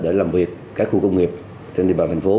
để làm việc các khu công nghiệp trên địa bàn thành phố